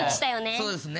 そうですね。